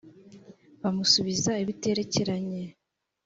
bamusubiza ibiterecyeranye.